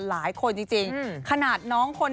หลายคนจริงขนาดน้องคน